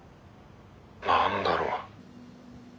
何だろう。